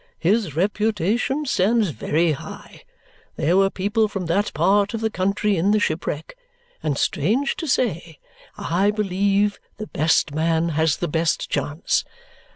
His reputation stands very high; there were people from that part of the country in the shipwreck; and strange to say, I believe the best man has the best chance.